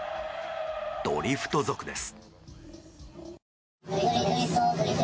ドリフト族です。